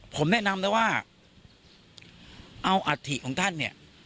ผมแนะนำแล้วว่าเอาอัฐิของท่านเนี่ย